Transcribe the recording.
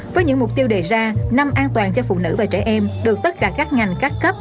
với những mục tiêu đề ra năm an toàn cho phụ nữ và trẻ em được tất cả các ngành các cấp